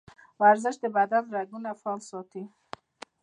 ورزش د بدن رګونه فعال ساتي.